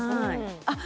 あっ！